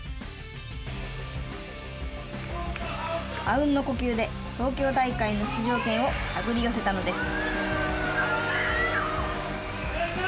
あうんの呼吸で東京大会の出場権を手繰り寄せたのです。